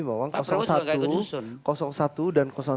pak prabowo juga gak ngusun